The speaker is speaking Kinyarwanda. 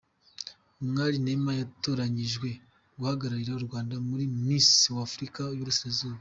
Umwari Nema yatoranyijwe guhagararira u Rwanda muri Misi wafurika yiburasirazuba